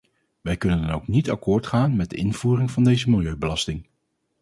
Wij kunnen dan ook niet akkoord gaan met de invoering van deze milieubelasting.